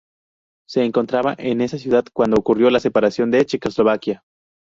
Se encontraba en esa ciudad cuando ocurrió la separación de Checoslovaquia.